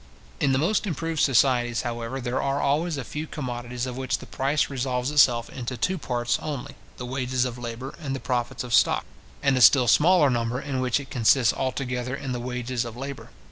In the most improved societies, however, there are always a few commodities of which the price resolves itself into two parts only: the wages of labour, and the profits of stock; and a still smaller number, in which it consists altogether in the wages of labour.